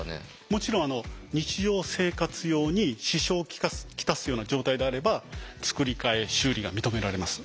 もちろん日常生活用に支障を来すような状態であれば作り替え修理が認められます。